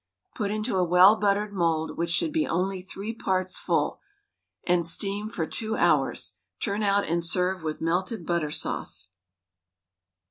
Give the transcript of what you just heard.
Put into a well buttered mould, which should be only three parts full, and steam for 2 hours. Turn out and serve with melted butter sauce.